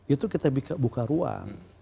itu kita buka ruang